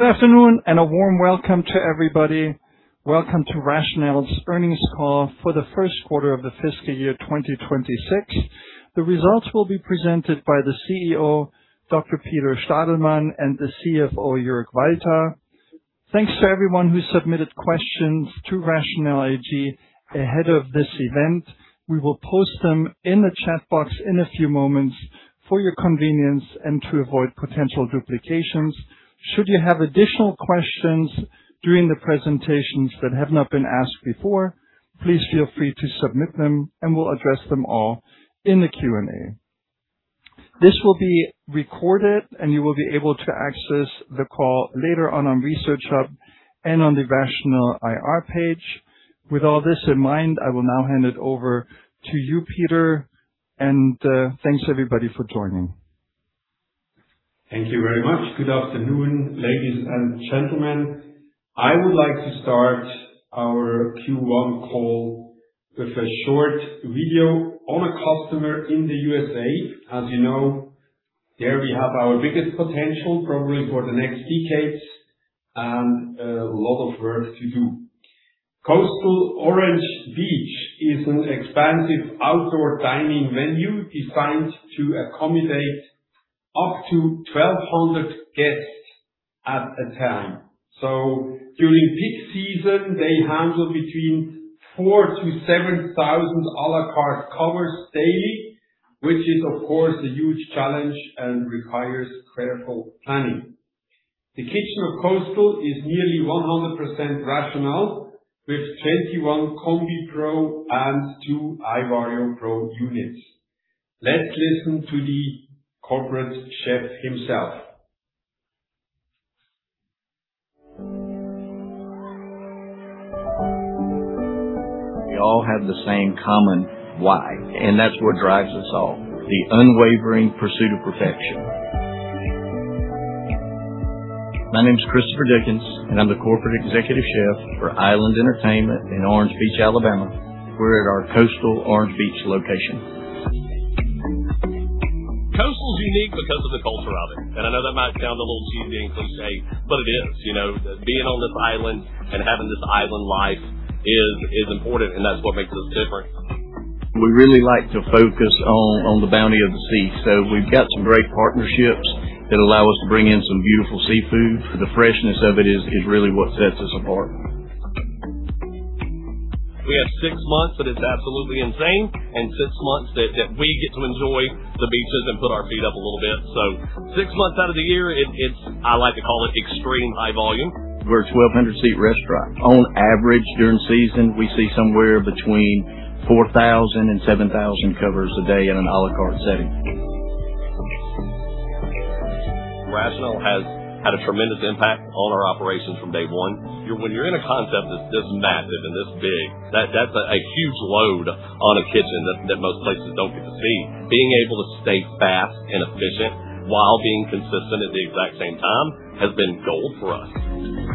Good afternoon and a warm welcome to everybody. Welcome to RATIONAL's earnings call for the first quarter of the fiscal year 2026. The results will be presented by the CEO, Dr. Peter Stadelmann, and the CFO, Jörg Walter. Thanks to everyone who submitted questions to RATIONAL AG ahead of this event. We will post them in the chat box in a few moments for your convenience and to avoid potential duplications. Should you have additional questions during the presentations that have not been asked before, please feel free to submit them, and we'll address them all in the Q&A. This will be recorded, and you will be able to access the call later on on ResearchHub and on the RATIONAL IR page. With all this in mind, I will now hand it over to you, Peter. Thanks everybody for joining. Thank you very much. Good afternoon, ladies and gentlemen. I would like to start our Q1 call with a short video on a customer in the U.S.A. As you know, there we have our biggest potential, probably for the next decades, and a lot of work to do. Coastal Orange Beach is an expansive outdoor dining venue designed to accommodate up to 1,200 guests at a time. During peak season, they handle between 4,000-7,000 a la carte covers daily, which is of course, a huge challenge and requires careful planning. The kitchen of Coastal is nearly 100% RATIONAL, with 21 iCombi Pro and 2 iVario Pro units. Let's listen to the corporate chef himself. We all have the same common why, and that's what drives us all, the unwavering pursuit of perfection. My name is Christopher Dickens, and I'm the Corporate Executive Chef for Island Entertainment in Orange Beach, Alabama. We're at our Coastal Orange Beach location. Coastal is unique because of the culture of it. I know that might sound a little cheesy and cliché, but it is. You know, being on this island and having this island life is important, that's what makes us different. We really like to focus on the bounty of the sea, so we've got some great partnerships that allow us to bring in some beautiful seafood. The freshness of it is really what sets us apart. We have six months that it's absolutely insane and six months that we get to enjoy the beaches and put our feet up a little bit. Six months out of the year, it's I like to call it extreme high volume. We're a 1,200 seat restaurant. On average during season, we see somewhere between 4,000 and 7,000 covers a day in an a la carte setting. RATIONAL has had a tremendous impact on our operations from day one. When you're in a concept that's this massive and this big, that's a huge load on a kitchen that most places don't get to see. Being able to stay fast and efficient while being consistent at the exact same time has been gold for us.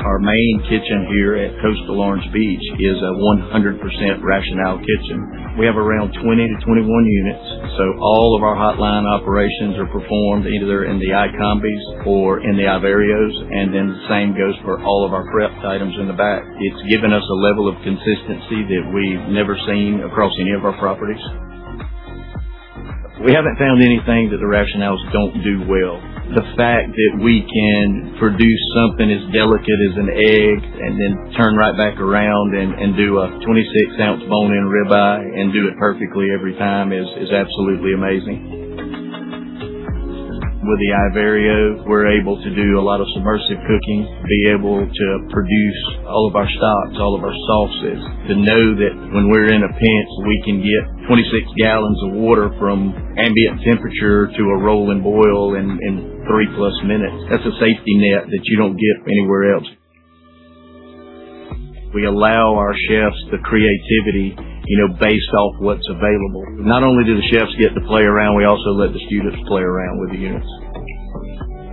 Our main kitchen here at Coastal Orange Beach is a 100% RATIONAL kitchen. We have around 20 to 21 units, so all of our hotline operations are performed either in the iCombis or in the iVarios, and then the same goes for all of our prepped items in the back. It's given us a level of consistency that we've never seen across any of our properties. We haven't found anything that the RATIONALS don't do well. The fact that we can produce something as delicate as an egg and then turn right back around and do a 26 ounce bone-in rib eye and do it perfectly every time is absolutely amazing. With the iVario, we're able to do a lot of submersive cooking, be able to produce all of our stocks, all of our sauces. To know that when we're in a pinch, we can get 26 gallons of water from ambient temperature to a rolling boil in three-plus minutes, that's a safety net that you don't get anywhere else. We allow our chefs the creativity, you know, based off what's available. Not only do the chefs get to play around, we also let the students play around with the units.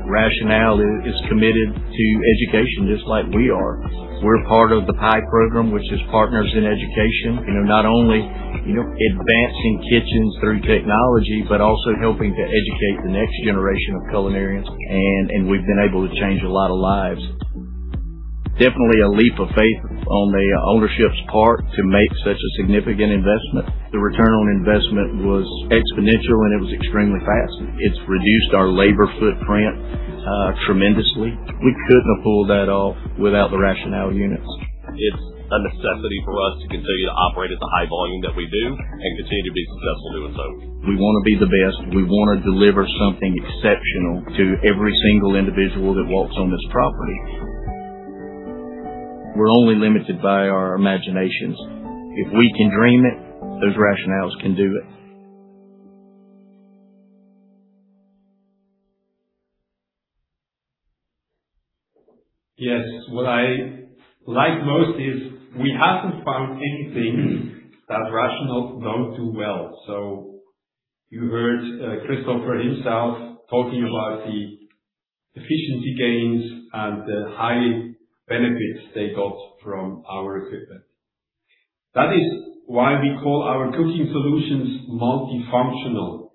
RATIONAL is committed to education just like we are. We're part of the PIE program, which is Partners in Education. You know, not only, you know, advancing kitchens through technology, but also helping to educate the next generation of culinarians, and we've been able to change a lot of lives. Definitely a leap of faith on the ownership's part to make such a significant investment. The return on investment was exponential, and it was extremely fast. It's reduced our labor footprint tremendously. We couldn't have pulled that off without the RATIONAL units. It is a necessity for us to continue to operate at the high volume that we do and continue to be successful doing so. We wanna be the best. We wanna deliver something exceptional to every single individual that walks on this property. We're only limited by our imaginations. If we can dream it, those RATIONAL can do it. Yes. What I like most is we haven't found anything that RATIONAL don't do well. You heard Christopher himself talking about the efficiency gains and the high benefits they got from our equipment. That is why we call our cooking solutions multifunctional.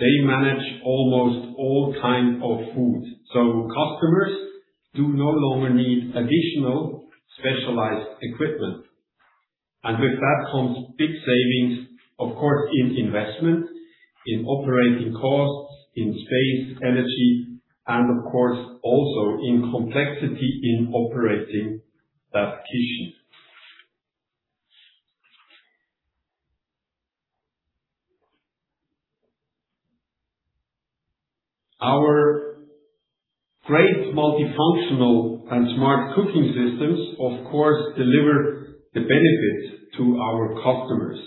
They manage almost all kind of food, customers do no longer need additional specialized equipment. With that comes big savings, of course, in investment, in operating costs, in space, energy, and of course also in complexity in operating that kitchen. Our great multifunctional and smart cooking systems, of course, deliver the benefits to our customers.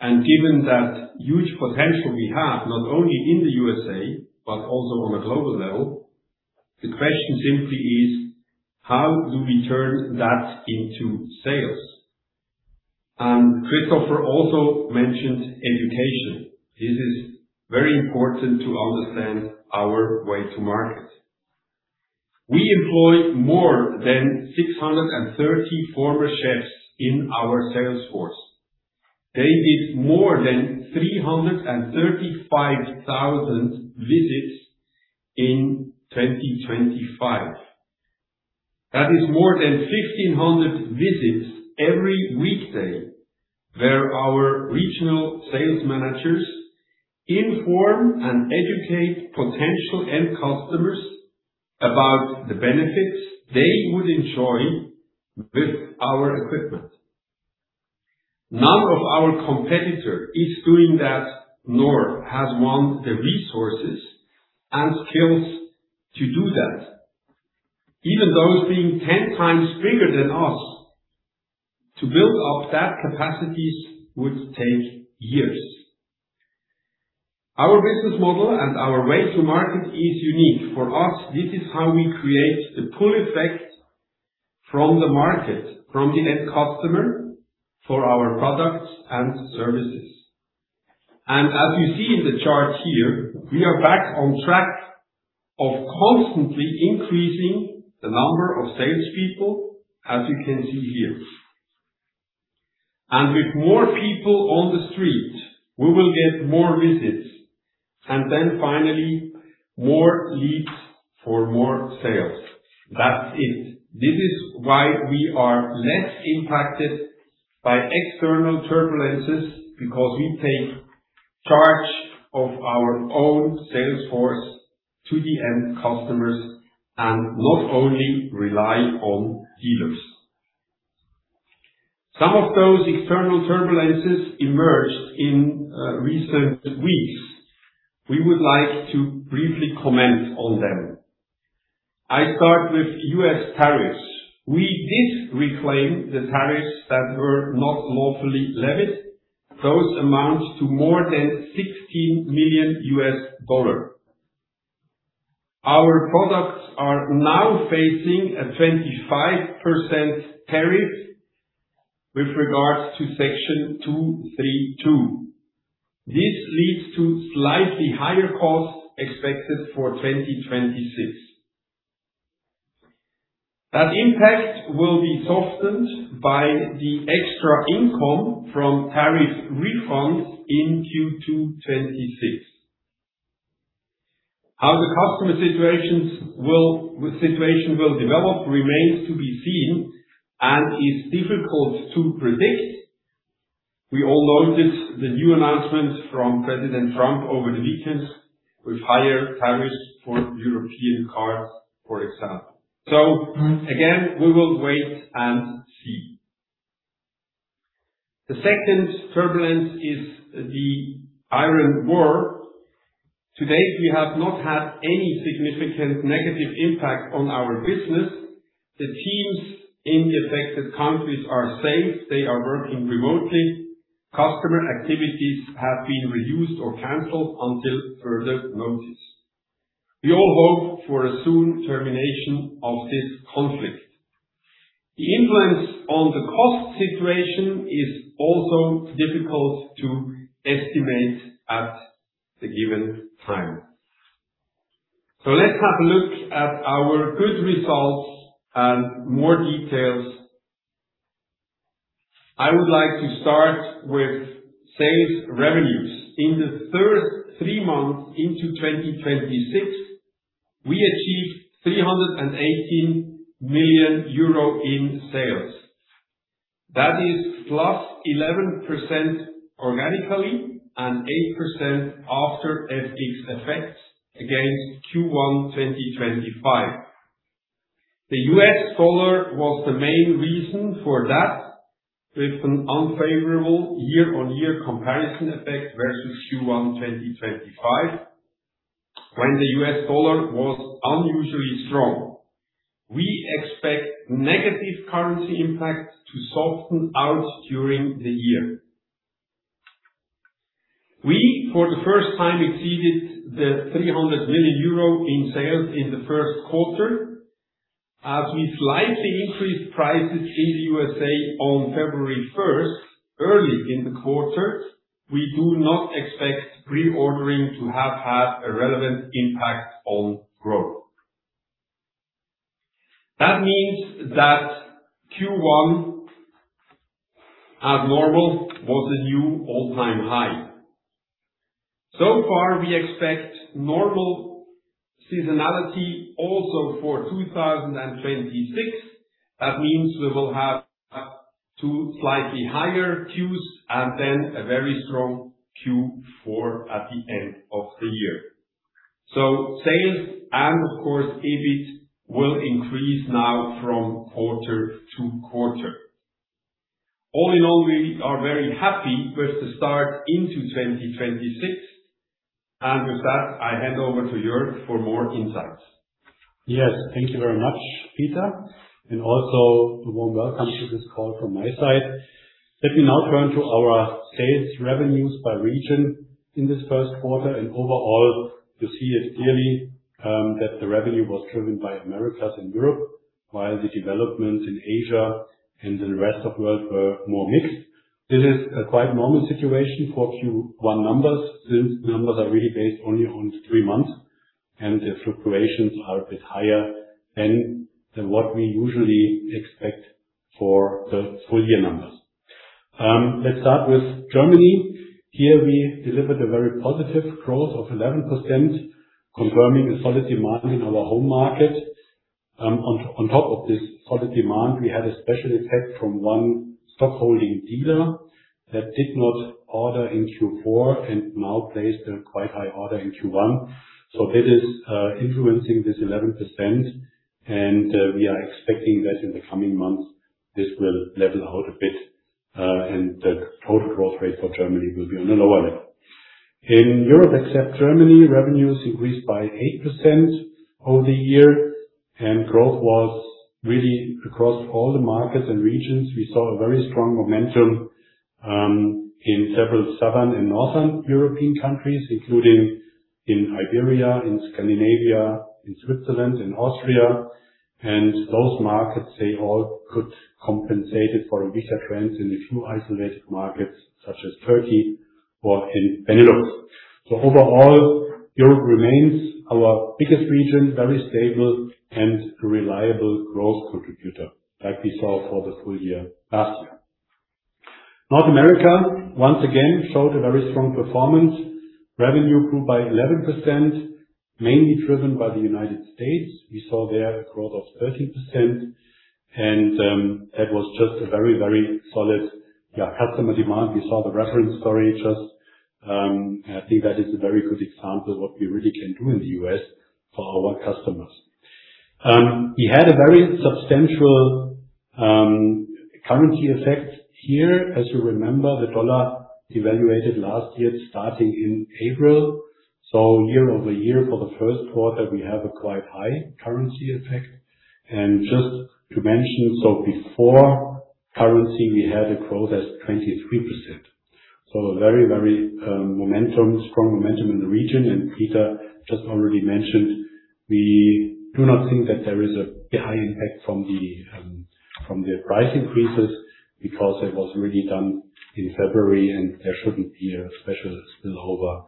Given that huge potential we have, not only in the U.S.A., but also on a global level, the question simply is how do we turn that into sales? Christopher also mentioned education. This is very important to understand our way to market. We employ more than 630 former chefs in our sales force. They did more than 335,000 visits in 2025. That is more than 1,500 visits every weekday, where our regional sales managers inform and educate potential end customers about the benefits they would enjoy with our equipment. None of our competitor is doing that, nor has one the resources and skills to do that. Even those being 10 times bigger than us, to build up that capacities would take years. Our business model and our way to market is unique. For us, this is how we create the pull effect from the market, from the end customer for our products and services. As you see in the chart here, we are back on track of constantly increasing the number of salespeople, as you can see here. With more people on the street, we will get more visits, and then finally, more leads for more sales. That's it. This is why we are less impacted by external turbulences, because we take charge of our own sales force to the end customers and not only rely on dealers. Some of those external turbulences emerged in recent weeks. We would like to briefly comment on them. I start with U.S. tariffs. We did reclaim the tariffs that were not lawfully levied. Those amount to more than $16 million. Our products are now facing a 25% tariff with regards to Section 232. This leads to slightly higher costs expected for 2026. That impact will be softened by the extra income from tariff refunds in Q2 2026. How the customer situation will develop remains to be seen and is difficult to predict. We all noted the new announcement from President Trump over the weekend with higher tariffs for European cars, for example. Again, we will wait and see. The second turbulence is the Iran war. To date, we have not had any significant negative impact on our business. The teams in the affected countries are safe. They are working remotely. Customer activities have been reduced or canceled until further notice. We all hope for a soon termination of this conflict. The influence on the cost situation is also difficult to estimate at the given time. Let's have a look at our good results and more details. I would like to start with sales revenues. In the first three months into 2026, we achieved 318 million euro in sales. That is +11% organically and 8% after FX effects against Q1 2025. The U.S. dollar was the main reason for that, with an unfavorable year-on-year comparison effect versus Q1 2025, when the U.S. dollar was unusually strong. We expect negative currency impact to soften out during the year. We, for the first time, exceeded the 300 million euro in sales in the first quarter. As we slightly increased prices in the U.S.A on February 1st, early in the quarter, we do not expect reordering to have had a relevant impact on growth. That means that Q1 as normal was a new all-time high. So far, we expect normal seasonality also for 2026. That means we will have two slightly higher Qs and then a very strong Q4 at the end of the year. Sales and of course, EBIT will increase now from quarter-to-quarter. All in all, we are very happy with the start into 2026, and with that, I hand over to Jörg for more insights. Yes. Thank you very much, Peter, and also a warm welcome to this call from my side. Let me now turn to our sales revenues by region in this first quarter. Overall, you see it clearly, that the revenue was driven by Americas and Europe, while the developments in Asia and the rest of world were more mixed. This is a quite normal situation for Q1 numbers, since numbers are really based only on three months, and the fluctuations are a bit higher than what we usually expect for the full-year numbers. Let's start with Germany. Here we delivered a very positive growth of 11%, confirming a solid demand in our home market. On top of this solid demand, we had a special effect from one stockholding dealer that did not order in Q4 and now placed a quite high order in Q1. So that is influencing this 11%, and we are expecting that in the coming months this will level out a bit, and the total growth rate for Germany will be on a lower level. In Europe, except Germany, revenues increased by 8% over the year, and growth was really across all the markets and regions. We saw a very strong momentum in several Southern and Northern European countries, including in Iberia, in Scandinavia, in Switzerland, in Austria. Those markets, they all could compensate it for weaker trends in a few isolated markets such as Turkey or in Benelux. Overall, Europe remains our biggest region, very stable and reliable growth contributor like we saw for the full-year last year. North America, once again, showed a very strong performance. Revenue grew by 11%, mainly driven by the United States. We saw there a growth of 13% and that was just a very solid customer demand. We saw the reference story just. I think that is a very good example of what we really can do in the U.S. for our customers. We had a very substantial currency effect here. As you remember, the dollar devalued last year starting in April. Year-over-year for the first quarter, we have a quite high currency effect. Just to mention, before currency, we had a growth of 23%. Very strong momentum in the region. Peter just already mentioned, we do not think that there is a high impact from the price increases because it was really done in February, and there shouldn't be a special spillover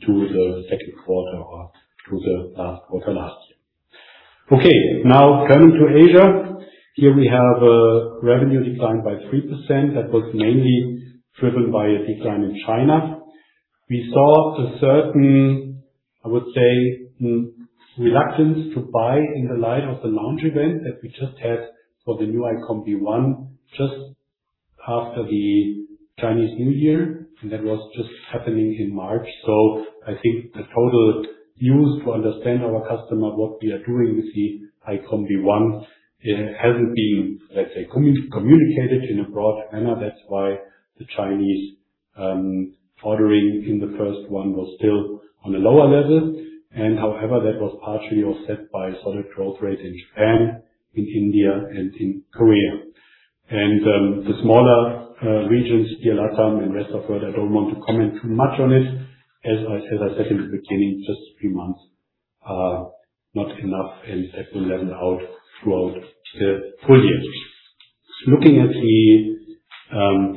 to the second quarter or to the last quarter last year. Okay, now turning to Asia. Here we have a revenue decline by 3% that was mainly driven by a decline in China. We saw a certain, I would say, reluctance to buy in the light of the launch event that we just had for the new iCombi One just after the Chinese New Year, and that was just happening in March. I think the tools we use to understand our customer, what we are doing with the iCombi One, hasn't been, let's say, communicated in a broad manner. That's why the Chinese ordering in the first one was still on a lower level. However, that was partially offset by solid growth rate in Japan, in India and in Korea. The smaller regions here, LATAM and rest of world, I don't want to comment too much on it. As I said in the beginning, just a few months are not enough, and that will level out throughout the full-year. Looking at the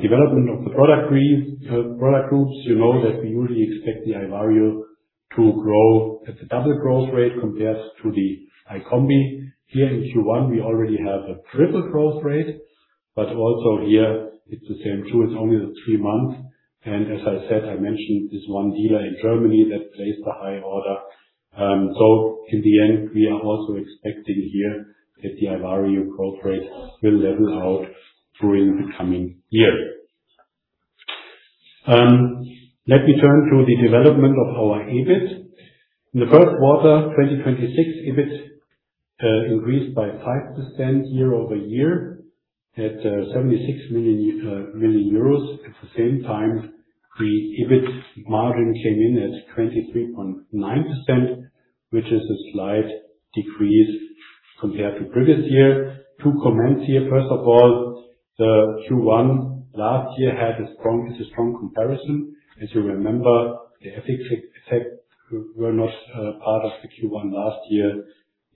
development of the product groups, you know that we usually expect the iVario to grow at the double growth rate compared to the iCombi. Here in Q1, we already have a triple growth rate, but also here it's the same tool. It's only the three months. I mentioned this one dealer in Germany that placed a high order. In the end, we are also expecting here that the iVario growth rate will level out during the coming year. Let me turn to the development of our EBIT. In the first quarter 2026, EBIT increased by 5% year-over-year at 76 million. At the same time, the EBIT margin came in at 23.9%, which is a slight decrease compared to previous year. Two comments here. First of all, the Q1 last year is a strong comparison. As you remember, the FX effect were not part of the Q1 last year.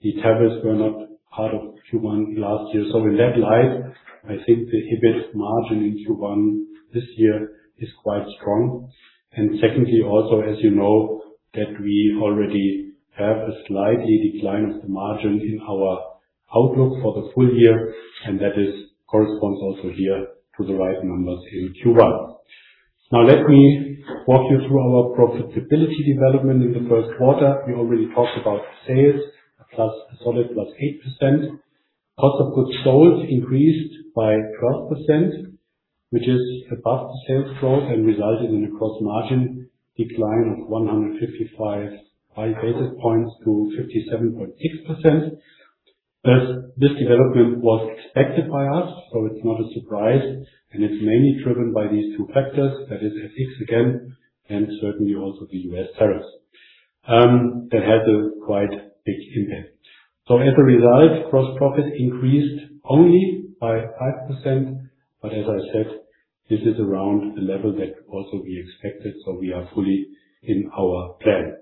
The tariffs were not part of Q1 last year. In that light, I think the EBIT margin in Q1 this year is quite strong. Secondly, also, as you know, that we already have a slight decline of the margin in our outlook for the full-year, and that corresponds also here to the right numbers in Q1. Now let me walk you through our profitability development in the first quarter. We already talked about sales plus solid 8%. Cost of goods sold increased by 12%, which is above the sales growth and resulted in a gross margin decline of 155 basis points to 57.6%. This development was expected by us, so it's not a surprise, and it's mainly driven by these two factors. That is FX again and certainly also the U.S. tariffs that had a quite big impact. As a result, gross profit increased only by 5%. As I said, this is around the level that also we expected, so we are fully in our plan.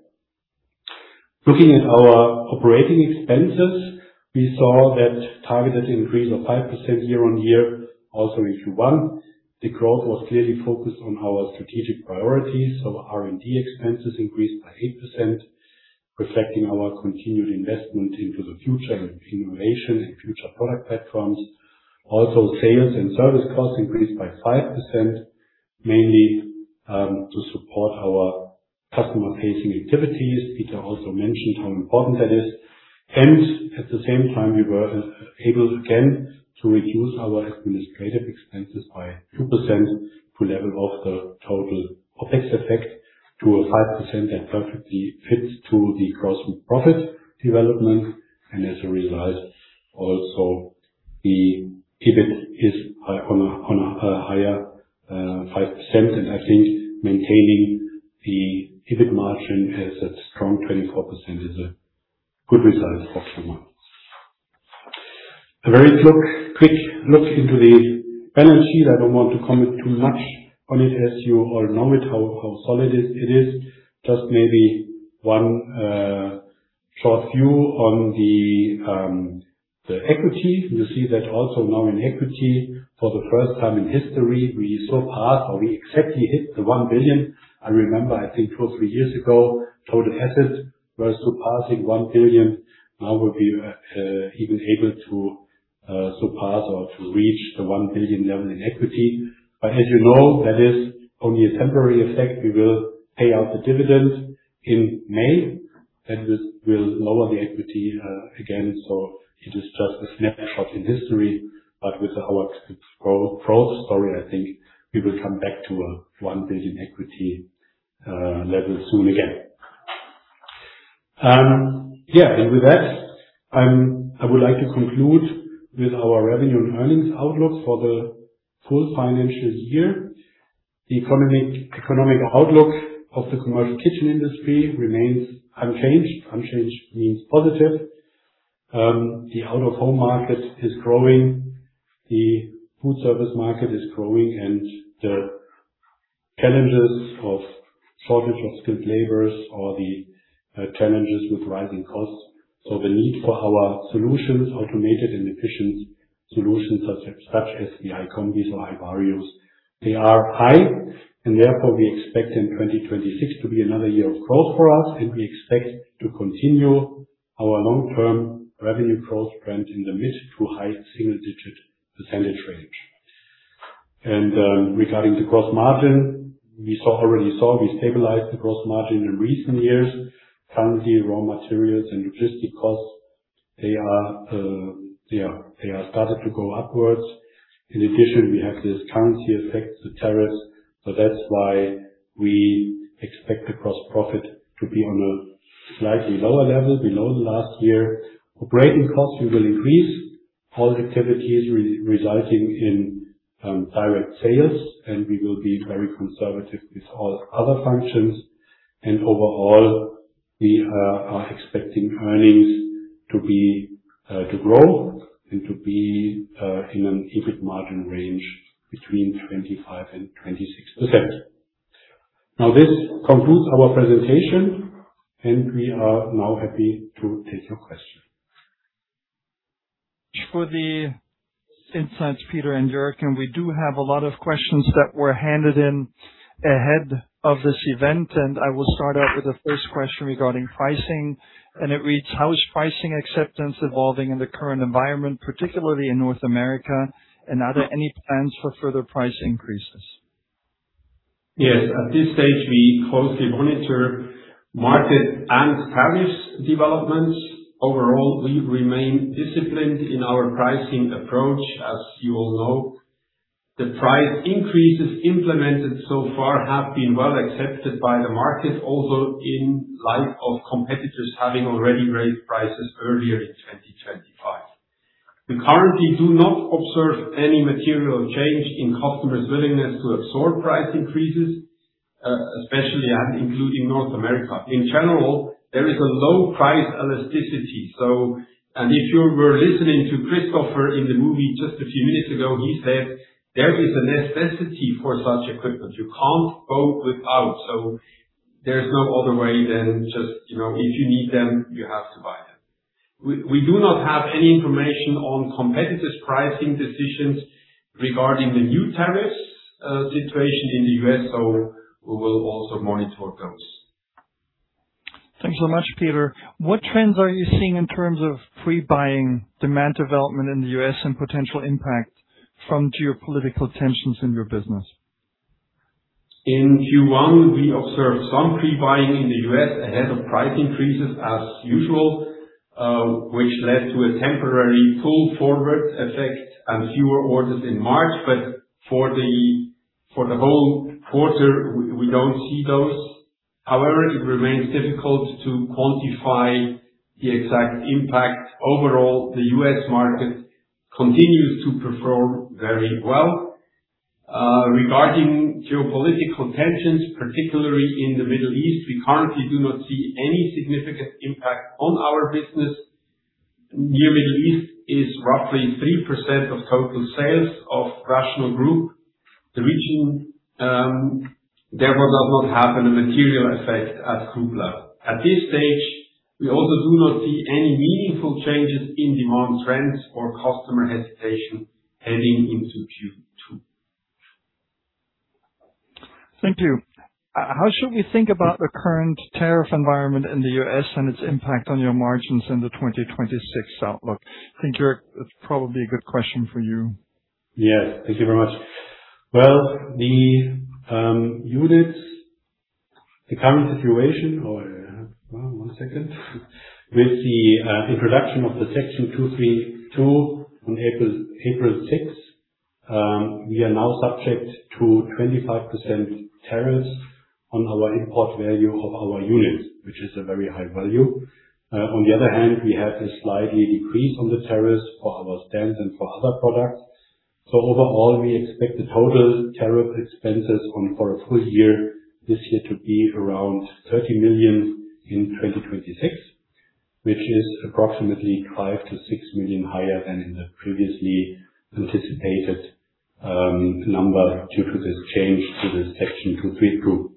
Looking at our operating expenses, we saw that targeted increase of 5% year-on-year also in Q1. The growth was clearly focused on our strategic priorities. R&D expenses increased by 8%, reflecting our continued investment into the future and innovation in future product platforms. Also, sales and service costs increased by 5%, mainly to support our customer-facing activities. Peter also mentioned how important that is. At the same time, we were able again to reduce our administrative expenses by 2% to level off the total OpEx effect to a 5% that perfectly fits to the gross profit development. As a result, also the EBIT is high on a higher 5%. I think maintaining the EBIT margin as a strong 24% is a good result for Q1. A very quick look into the balance sheet. I don't want to comment too much on it as you all know it, how solid it is. Just maybe one short view on the equity. You see that also now in equity for the first time in history, we surpass or we exactly hit the 1 billion. I remember, I think two or three years ago, total assets were surpassing 1 billion. Now we'll be even able to surpass or to reach the 1 billion level in equity. As you know, that is only a temporary effect. We will pay out the dividend in May, and this will lower the equity again. It is just a snapshot in history, but with our growth story, I think we will come back to a 1 billion equity level soon again. With that, I would like to conclude with our revenue and earnings outlook for the full financial year. The economic outlook of the commercial kitchen industry remains unchanged. Unchanged means positive. The out-of-home market is growing, the food service market is growing, and the challenges of shortage of skilled laborers or the challenges with rising costs. The need for our solutions, automated and efficient solutions such as the iCombi or iVario, they are high and therefore we expect in 2026 to be another year of growth for us. We expect to continue our long-term revenue growth trend in the mid-to-high single-digit percentage range. Regarding the gross margin, we already saw we stabilized the gross margin in recent years. Currency, raw materials, and logistic costs, they have started to go upwards. In addition, we have this currency effect, the tariffs, so that's why we expect the gross profit to be on a slightly lower level below the last year. Operating costs will increase all activities resulting in direct sales, and we will be very conservative with all other functions. Overall, we are expecting earnings to grow and to be in an EBIT margin range between 25% and 26%. Now this concludes our presentation, and we are now happy to take your questions. Thank you for the insights, Peter and Jörg, and we do have a lot of questions that were handed in ahead of this event, and I will start out with the first question regarding pricing. It reads: How is pricing acceptance evolving in the current environment, particularly in North America? And are there any plans for further price increases? Yes. At this stage, we closely monitor market and tariffs developments. Overall, we remain disciplined in our pricing approach. As you all know, the price increases implemented so far have been well accepted by the market, also in light of competitors having already raised prices earlier in 2025. We currently do not observe any material change in customers' willingness to absorb price increases, especially and including North America. In general, there is a low price elasticity. If you were listening to Christopher in the movie just a few minutes ago, he said, "There is a necessity for such equipment. You can't go without." There's no other way than just, you know, if you need them, you have to buy them. We do not have any information on competitors' pricing decisions regarding the new tariffs situation in the U.S., so we will also monitor those. Thanks so much, Peter. What trends are you seeing in terms of pre-buying demand development in the U.S. and potential impact from geopolitical tensions in your business? In Q1, we observed some pre-buying in the U.S. ahead of price increases as usual, which led to a temporarily pulled forward effect and fewer orders in March. For the whole quarter, we don't see those. However, it remains difficult to quantify the exact impact. Overall, the U.S. market continues to perform very well. Regarding geopolitical tensions, particularly in the Middle East, we currently do not see any significant impact on our business. Near/Middle East is roughly 3% of total sales of Rational Group, the region. Therefore does not have a material effect at group level. At this stage, we also do not see any meaningful changes in demand trends or customer hesitation heading into Q2. Thank you. How should we think about the current tariff environment in the U.S. and its impact on your margins in the 2026 outlook? I think, Jörg, it's probably a good question for you. Yes. Thank you very much. With the introduction of the Section 232 on April sixth, we are now subject to 25% tariffs on our import value of our units, which is a very high value. On the other hand, we have a slight decrease on the tariffs for our stands and for other products. Overall, we expect the total tariff expenses for a full-year, this year to be around 30 million in 2026, which is approximately 5 million-6 million higher than in the previously anticipated number due to this change to the Section 232.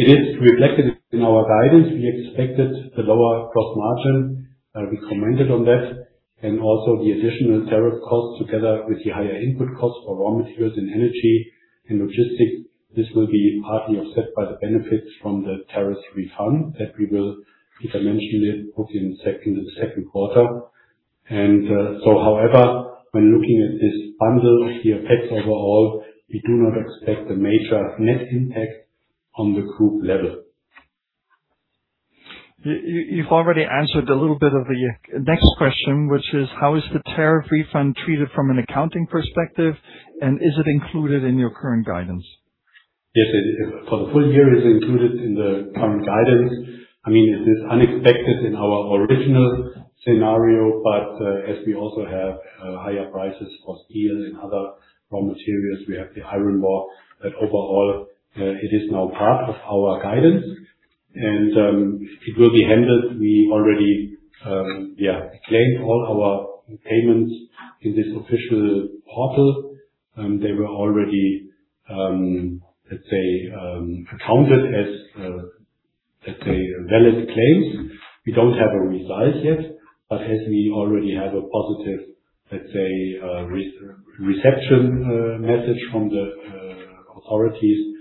It is reflected in our guidance. We expected a lower gross margin, we commented on that, and also the additional tariff costs together with the higher input costs for raw materials and energy and logistics. This will be partly offset by the benefits from the tariff refund that we will, as I mentioned it, put in the second quarter. However, when looking at this bundle, the effects overall, we do not expect a major net impact on the group level. You've already answered a little bit of the next question, which is: How is the tariff refund treated from an accounting perspective, and is it included in your current guidance? Yes, it is. For the full-year, it's included in the current guidance. I mean, it is unexpected in our original scenario, but, as we also have, higher prices for steel and other raw materials, we have an eye on that overall, it is now part of our guidance and, it will be handled. We already claimed all our payments in this official portal, and they were already, let's say, accounted as, let's say, valid claims. We don't have a result yet, but as we already have a positive, let's say, reception, message from the, authorities,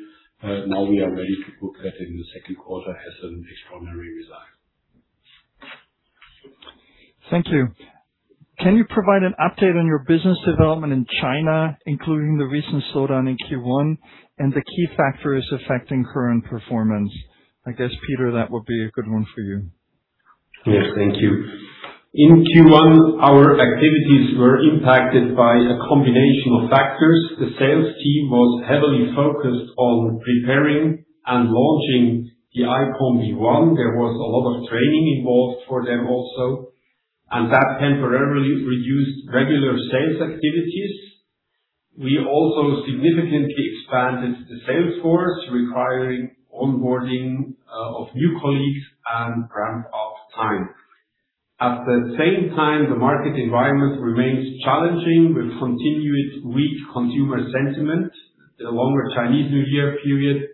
now we are ready to put that in the second quarter as an extraordinary result. Thank you. Can you provide an update on your business development in China, including the recent slowdown in Q1 and the key factors affecting current performance? I guess, Peter, that would be a good one for you. Yes. Thank you. In Q1, our activities were impacted by a combination of factors. The sales team was heavily focused on preparing and launching the iCombi One. There was a lot of training involved for them also, and that temporarily reduced regular sales activities. We also significantly expanded the sales force, requiring onboarding of new colleagues and ramp-up time. At the same time, the market environment remains challenging with continued weak consumer sentiment. The longer Chinese New Year period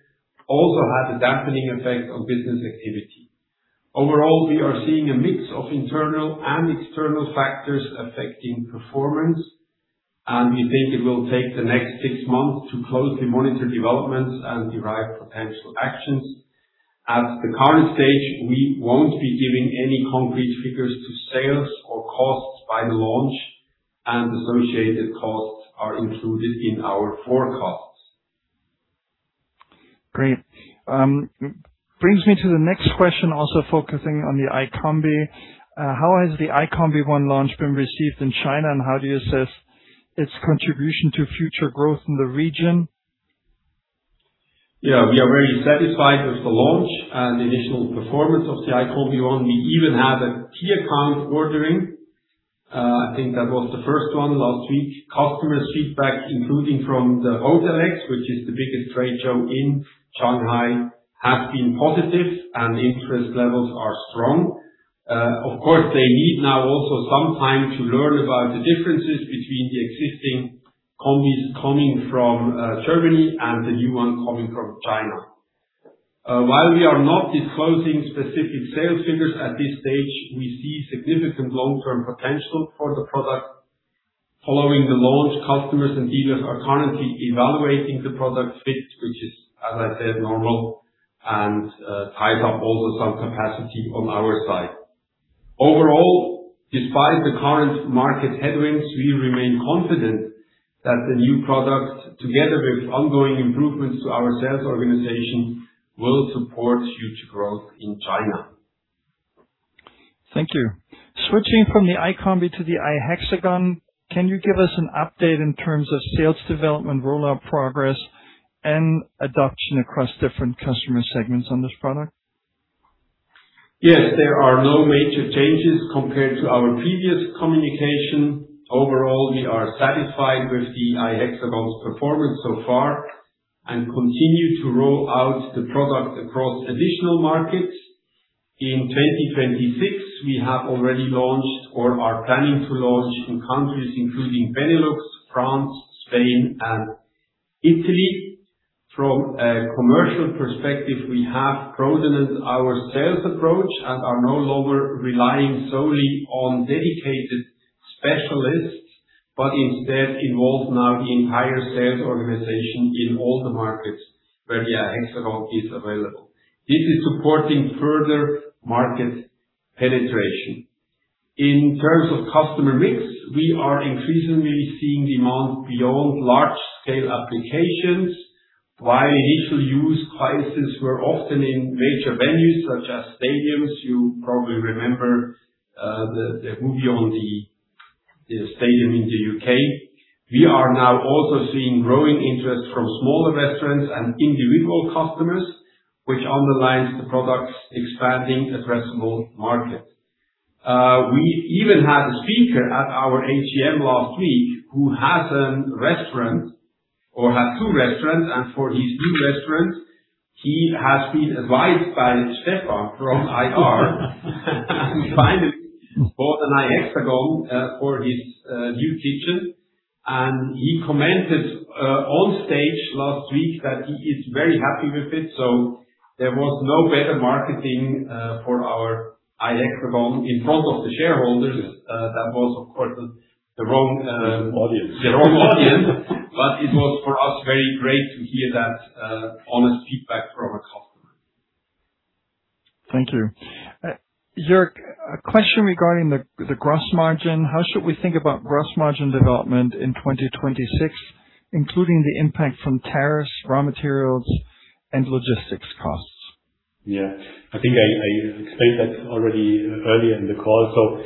also has a dampening effect on business activity. Overall, we are seeing a mix of internal and external factors affecting performance, and we think it will take the next six months to closely monitor developments and derive potential actions. At the current stage, we won't be giving any concrete figures to sales or costs by the launch, and associated costs are included in our forecasts. Great. Brings me to the next question, also focusing on the iCombi. How has the iCombi One launch been received in China, and how do you assess its contribution to future growth in the region? Yeah, we are very satisfied with the launch and the initial performance of the iCombi One. We even had a key account ordering. I think that was the first one last week. Customer's feedback, including from the Hotelex, which is the biggest trade show in Shanghai, have been positive and interest levels are strong. Of course, they need now also some time to learn about the differences between the existing Combis coming from Germany and the new one coming from China. While we are not disclosing specific sales figures at this stage, we see significant long-term potential for the product. Following the launch, customers and dealers are currently evaluating the product fit, which is, as I said, normal and ties up also some capacity on our side. Overall, despite the current market headwinds, we remain confident that the new product, together with ongoing improvements to our sales organization, will support future growth in China. Thank you. Switching from the iCombi to the iHexagon, can you give us an update in terms of sales development, rollout progress, and adoption across different customer segments on this product? Yes, there are no major changes compared to our previous communication. Overall, we are satisfied with the iHexagon's performance so far and continue to roll out the product across additional markets. In 2026, we have already launched or are planning to launch in countries including Benelux, France, Spain, and Italy. From a commercial perspective, we have broadened our sales approach and are no longer relying solely on dedicated specialists, but instead involve now the entire sales organization in all the markets where the iHexagon is available. This is supporting further market penetration. In terms of customer mix, we are increasingly seeing demand beyond large scale applications. While initial use cases were often in major venues such as stadiums, you probably remember the movie on the stadium in the UK. We are now also seeing growing interest from smaller restaurants and individual customers, which underlines the product's expanding addressable market. We even had a speaker at our AGM last week who has a restaurant or had two restaurants, and for his new restaurant, he has been advised by Stefan from IR. He finally bought an iHexagon for his new kitchen. He commented on stage last week that he is very happy with it. There was no better marketing for our iHexagon in front of the shareholders. That was of course the wrong. Wrong audience. The wrong audience. It was for us very great to hear that honest feedback from a customer. Thank you. Jörg, a question regarding the gross margin. How should we think about gross margin development in 2026, including the impact from tariffs, raw materials, and logistics costs? I think I explained that already earlier in the call.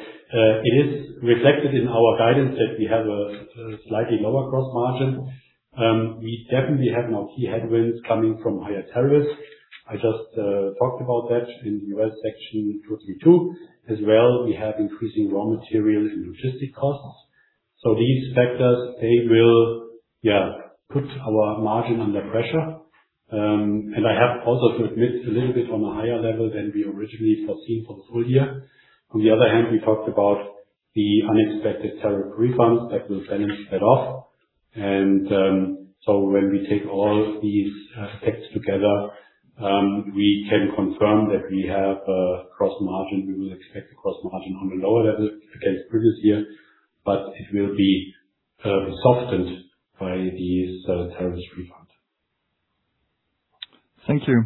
It is reflected in our guidance that we have a slightly lower gross margin. We definitely have now key headwinds coming from higher tariffs. I just talked about that in the U.S. Section 232. As well, we have increasing raw material and logistic costs. These factors, they will put our margin under pressure. I have also to admit a little bit on a higher level than we originally foreseen for the full-year. On the other hand, we talked about the unexpected tariff refunds that will balance that off. When we take all these aspects together, we can confirm that we have a gross margin. We will expect a gross margin on a lower level against previous year, but it will be softened by these tariffs refunds. Thank you.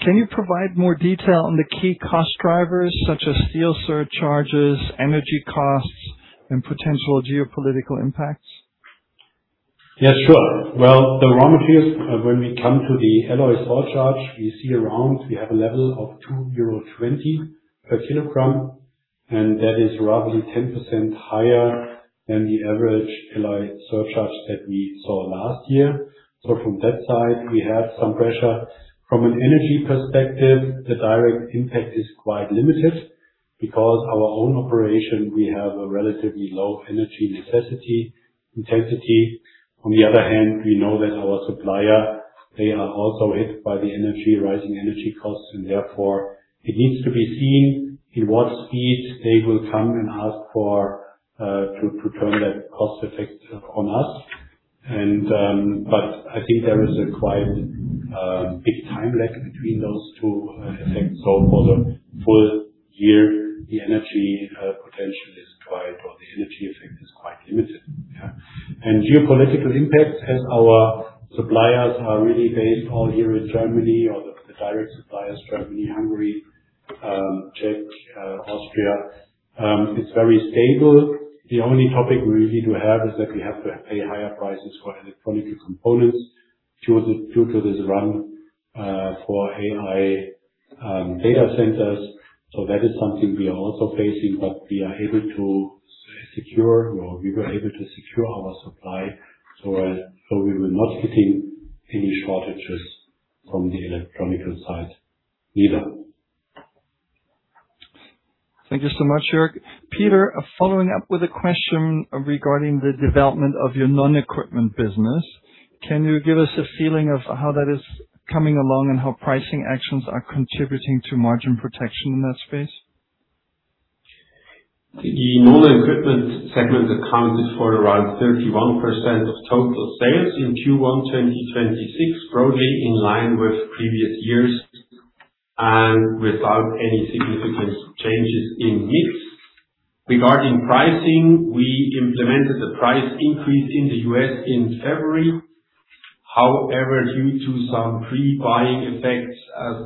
Can you provide more detail on the key cost drivers such as steel surcharges, energy costs, and potential geopolitical impacts? Yeah, sure. Well, the raw materials, when we come to the alloy surcharge, we see around, we have a level of 2.20 euro per kilogram, and that is roughly 10% higher than the average alloy surcharge that we saw last year. From that side, we have some pressure. From an energy perspective, the direct impact is quite limited because our own operation, we have a relatively low energy intensity. On the other hand, we know that our supplier, they are also hit by rising energy costs, and therefore it needs to be seen in what speed they will come and ask for to turn that cost effect on us. I think there is quite a big time lag between those two effects. For the full-year, the energy effect is quite limited. Yeah. Geopolitical impact as our suppliers are really based all here in Germany or the direct suppliers, Germany, Hungary, Czech, Austria, it's very stable. The only topic we really do have is that we have to pay higher prices for electronic components due to this run for AI data centers. That is something we are also facing, but we were able to secure our supply so we were not hitting any shortages from the electronic side either. Thank you so much, Jörg. Peter, following up with a question regarding the development of your non-equipment business. Can you give us a feeling of how that is coming along and how pricing actions are contributing to margin protection in that space? The non-equipment segment accounted for around 31% of total sales in Q1 2026, broadly in line with previous years. Without any significant changes in mix. Regarding pricing, we implemented the price increase in the U.S. in February. However, due to some pre-buying effects, as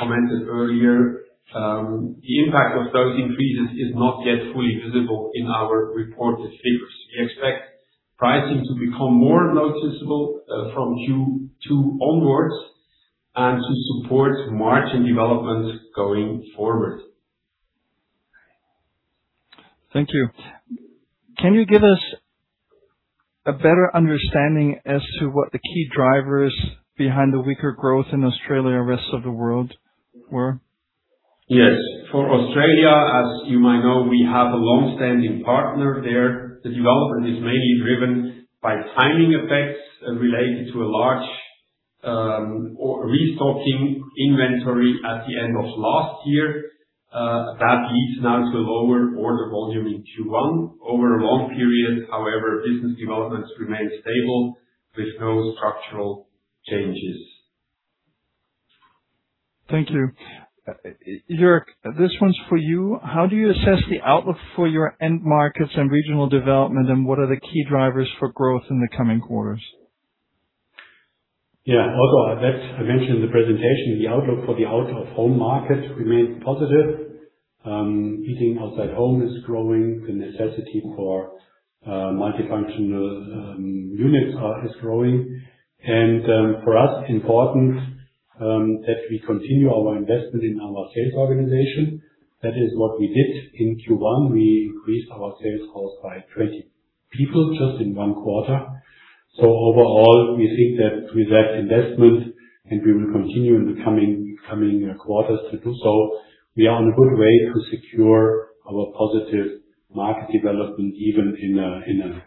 commented earlier, the impact of those increases is not yet fully visible in our reported figures. We expect pricing to become more noticeable, from Q2 onwards and to support margin development going forward. Thank you. Can you give us a better understanding as to what the key drivers behind the weaker growth in Australia and rest of the world were? Yes. For Australia, as you might know, we have a long-standing partner there. The development is mainly driven by timing effects related to a large order restocking inventory at the end of last year. That leads now to lower order volume in Q1. Over a long period, however, business developments remain stable with no structural changes. Thank you. Jörg, this one's for you. How do you assess the outlook for your end markets and regional development, and what are the key drivers for growth in the coming quarters? Yeah. Although that I mentioned in the presentation, the outlook for the out-of-home market remains positive. Eating outside home is growing. The necessity for multifunctional units is growing. For us important that we continue our investment in our sales organization. That is what we did in Q1. We increased our sales force by 20 people just in one quarter. Overall, we think that with that investment, and we will continue in the coming quarters to do so, we are on a good way to secure our positive market development, even in a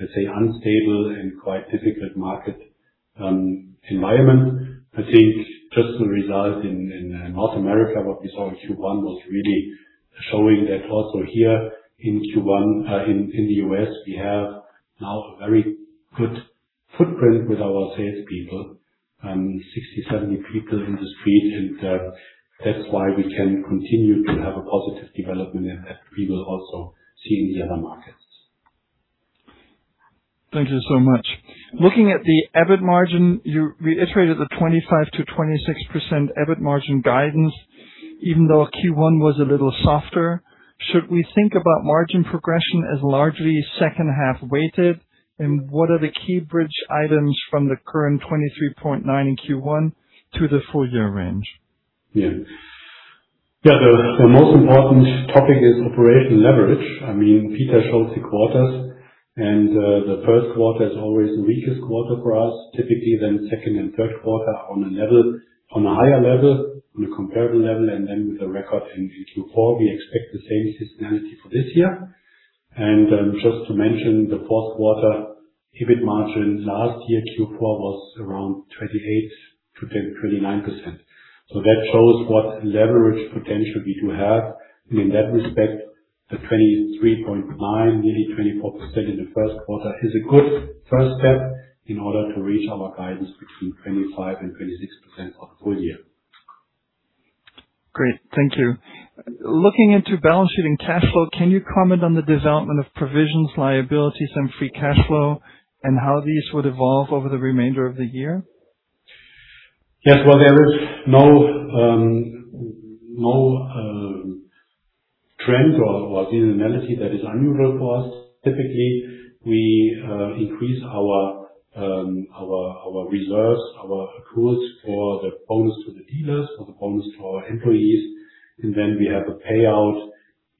let's say unstable and quite difficult market environment. I think just the result in North America, what we saw in Q1 was really showing that also here in Q1 in the U.S., we have now a very good footprint with our salespeople and 60, 70 people in the street. That's why we can continue to have a positive development and that we will also see in the other markets. Thank you so much. Looking at the EBIT margin, you reiterated the 25%-26% EBIT margin guidance even though Q1 was a little softer. Should we think about margin progression as largely second half weighted? What are the key bridge items from the current 23.9% in Q1 to the full-year range? The most important topic is operational leverage. I mean, Peter shows the quarters and the first quarter is always the weakest quarter for us. Typically, then second and third quarter on a higher level, on a comparable level, and then with a record in Q4, we expect the same seasonality for this year. Just to mention the fourth quarter EBIT margin last year, Q4 was around 28%-29%. That shows what leverage potentially to have. In that respect, the 23.9%, nearly 24% in the first quarter is a good first step in order to reach our guidance between 25%-26% for the full-year. Great. Thank you. Looking into balance sheet and cash flow, can you comment on the development of provisions, liabilities and free cash flow and how these would evolve over the remainder of the year? Yes. Well, there is no trend or seasonality that is unusual for us. Typically, we increase our reserves, our accruals for the bonus to the dealers or the bonus to our employees, and then we have a payout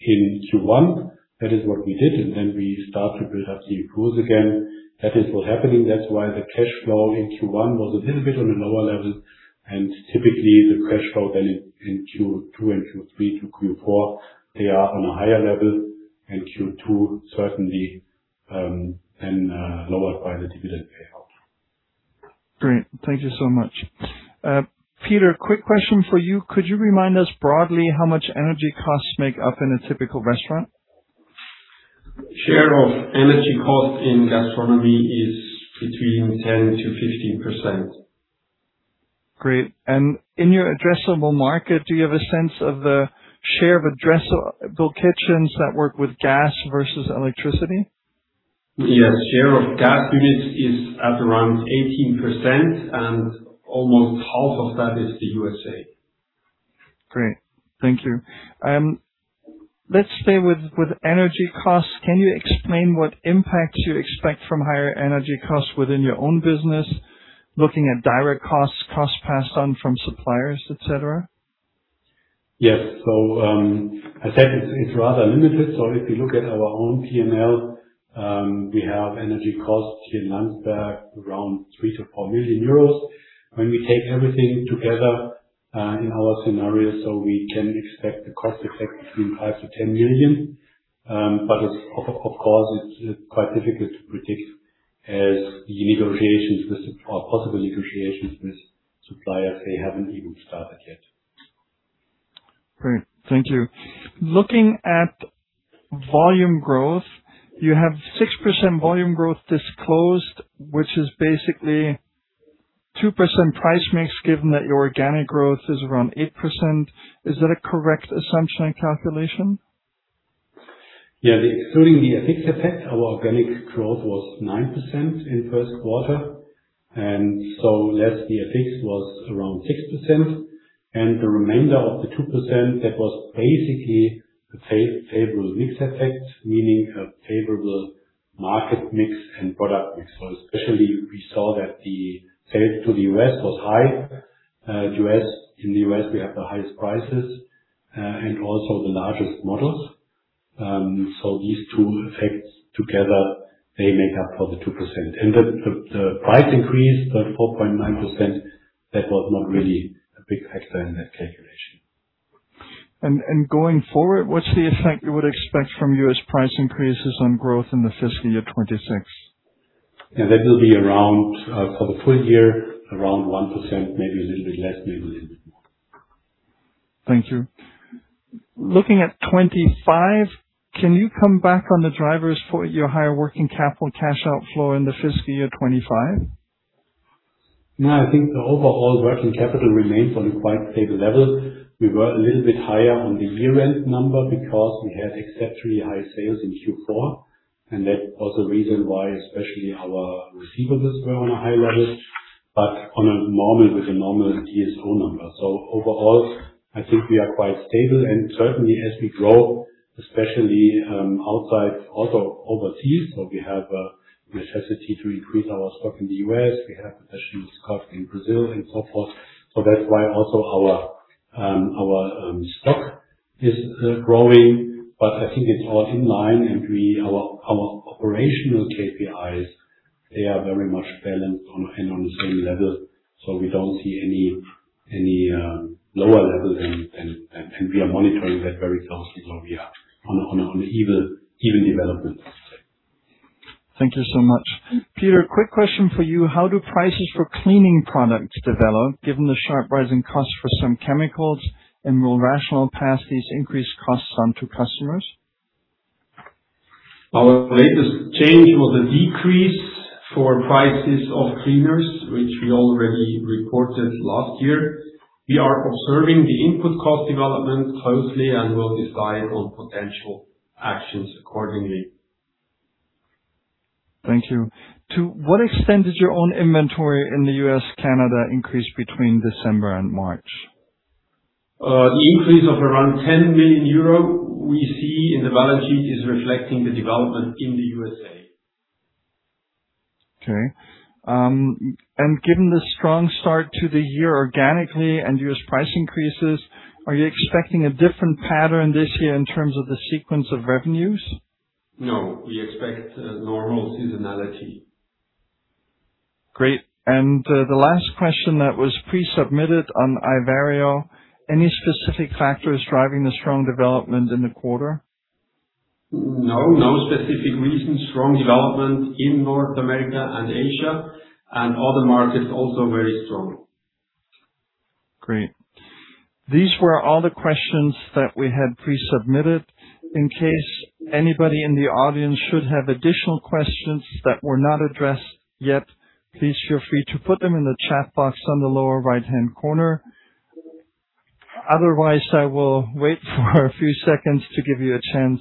in Q1. That is what we did, and then we start to build up the accruals again. That is what is happening. That's why the cash flow in Q1 was a little bit on a lower level. Typically, the cash flow then in Q2 and Q3 to Q4, they are on a higher level, and Q2 certainly then lowered by the dividend payout. Great. Thank you so much. Peter, quick question for you. Could you remind us broadly how much energy costs make up in a typical restaurant? Share of energy costs in gastronomy is between 10%-15%. Great. In your addressable market, do you have a sense of the share of addressable kitchens that work with gas versus electricity? Yes. Share of gas units is at around 18% and almost half of that is the U.S.A. Great. Thank you. Let's stay with energy costs. Can you explain what impacts you expect from higher energy costs within your own business, looking at direct costs passed on from suppliers, et cetera? Yes, I said it's rather limited. If you look at our own P&L, we have energy costs here in Landsberg around 3 million-4 million euros. When we take everything together in our scenario, we can expect the cost effect between 5 million-10 million. But of course, it's quite difficult to predict as the negotiations or possible negotiations with suppliers haven't even started yet. Great. Thank you. Looking at volume growth, you have 6% volume growth disclosed, which is basically 2% price mix, given that your organic growth is around 8%. Is that a correct assumption and calculation? Yeah. Excluding the FX effect, our organic growth was 9% in first quarter, and so less the FX was around 6%. The remainder of the 2%, that was basically a favorable mix effect, meaning a favorable market mix and product mix. Especially we saw that the sales to the U.S. was high. In the U.S. we have the highest prices, and also the largest models. These two effects together, they make up for the 2%. The price increase, the 4.9%, that was not really a big factor in that calculation. Going forward, what's the effect you would expect from U.S. price increases on growth in the fiscal year 2026? Yeah, that will be around, for the full-year, around 1%, maybe a little bit less, maybe a little bit more. Thank you. Looking at 2025, can you come back on the drivers for your higher working capital cash outflow in the fiscal year 2025? I think the overall working capital remains on a quite stable level. We were a little bit higher on the year-end number because we had exceptionally high sales in Q4. That was the reason why especially our receivables were on a high level, on a normal with a normal DSO number. Overall, I think we are quite stable and certainly as we grow, especially, outside, also overseas. We have a necessity to increase our stock in the U.S., we have potential stock in Brazil and so forth. That's why also our stock is growing. I think it's all in line and our operational KPIs, they are very much balanced on, and on the same level, so we don't see any, lower level than. We are monitoring that very closely, so we are on an even development. Thank you so much. Peter, quick question for you. How do prices for cleaning products develop given the sharp rise in costs for some chemicals? Will RATIONAL pass these increased costs on to customers? Our latest change was a decrease for prices of cleaners, which we already reported last year. We are observing the input cost development closely and will decide on potential actions accordingly. Thank you. To what extent did your own inventory in the U.S., Canada increase between December and March? The increase of around 10 million euro we see in the balance sheet is reflecting the development in the U.S.A. Okay. Given the strong start to the year organically and U.S. price increases, are you expecting a different pattern this year in terms of the sequence of revenues? No. We expect a normal seasonality. Great. The last question that was pre-submitted on iVario, any specific factors driving the strong development in the quarter? No. No specific reason. Strong development in North America and Asia, and other markets also very strong. Great. These were all the questions that we had pre-submitted. In case anybody in the audience should have additional questions that were not addressed yet, please feel free to put them in the chat box on the lower right-hand corner. Otherwise, I will wait for a few seconds to give you a chance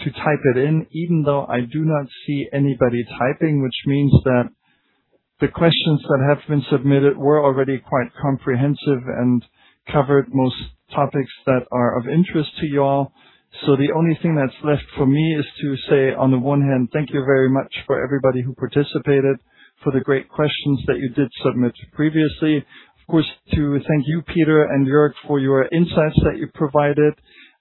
to type it in, even though I do not see anybody typing, which means that the questions that have been submitted were already quite comprehensive and covered most topics that are of interest to you all. The only thing that's left for me is to say, on the one hand, thank you very much for everybody who participated, for the great questions that you did submit previously. Of course, to thank you, Peter and Jörg, for your insights that you provided.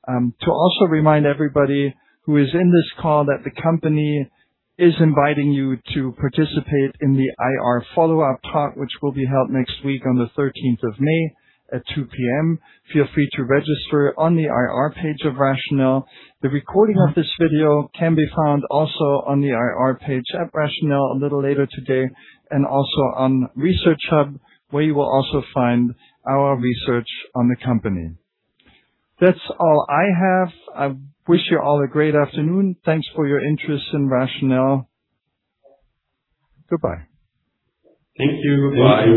To also remind everybody who is in this call that the company is inviting you to participate in the IR follow-up talk, which will be held next week on the thirteenth of May at 2:00 P.M. Feel free to register on the IR page of RATIONAL. The recording of this video can be found also on the IR page at RATIONAL a little later today, and also on ResearchHub, where you will also find our research on the company. That's all I have. I wish you all a great afternoon. Thanks for your interest in RATIONAL. Goodbye. Thank you. Bye.